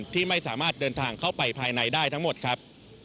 ที่ไม่สามารถเดินทางเข้าไปภายในได้ทั้งหมดครับ